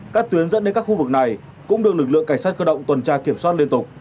các tuyến dẫn đến các khu vực này cũng được lực lượng cảnh sát cơ động tuần tra kiểm soát liên tục